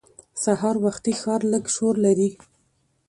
سهار وختي ښار لږ شور لري